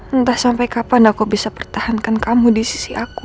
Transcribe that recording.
entah sampai kapan aku bisa pertahankan kamu di sisi aku